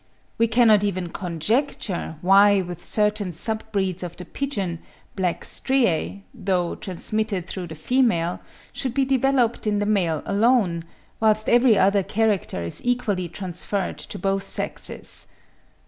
We cannot even conjecture why with certain sub breeds of the pigeon, black striae, though transmitted through the female, should be developed in the male alone, whilst every other character is equally transferred to both sexes.